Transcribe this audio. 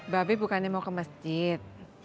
babi bukannya mau ke masjid